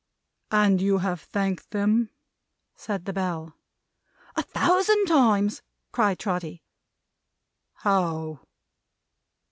"And you have thanked them?" said the bell. "A thousand times!" cried Trotty. "How?"